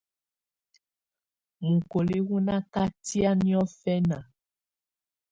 Mukoli wù nà katɛ̀á niɔ̀fɛ̀na.